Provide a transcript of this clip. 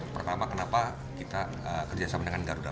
pertama kenapa kita kerja sama dengan garuda